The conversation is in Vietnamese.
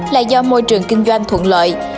là do môi trường kinh doanh thuận lợi